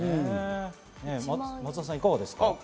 松田さん、いかがですか？